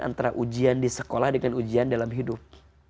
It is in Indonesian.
antara ujian di sekolah dengan ujian dalam hidup